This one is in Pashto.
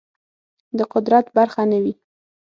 د قدرت برخه نه وي